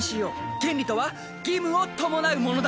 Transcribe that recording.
権利とは義務を伴うものだ。